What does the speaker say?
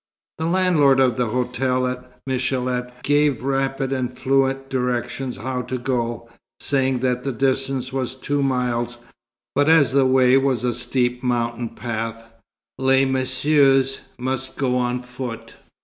The landlord of the hotel at Michélet gave rapid and fluent directions how to go, saying that the distance was two miles, but as the way was a steep mountain path, les messieurs must go on foot.